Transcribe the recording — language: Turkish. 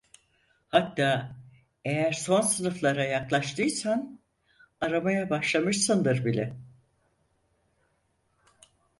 Hatta, eğer son sınıflara yaklaştıysan aramaya başlamışsındır bile…